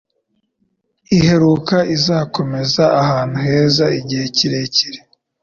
Iheruka izakomeza ahantu heza igihe kirekire